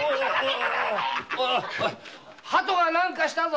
ハトが何かしたぞ。